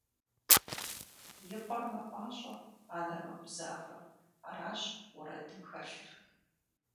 И къуэр мэпӀащӀэ, анэр мэгузавэ – аращ уэрэдым хэлъыр.